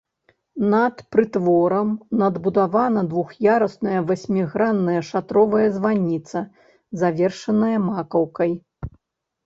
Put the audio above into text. Над прытворам надбудавана двух'ярусная васьмігранная шатровая званіца, завершаная макаўкай.